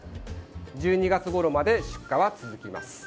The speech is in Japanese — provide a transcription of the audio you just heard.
１２月ごろまで出荷は続きます。